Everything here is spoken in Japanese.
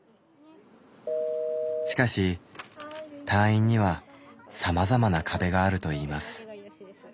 しかし退院にはさまざまな壁があるといいます。